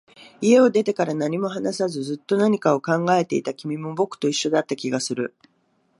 家を出てから、何も話さず、ずっと何かを考えていた君も、僕と一緒だった気がする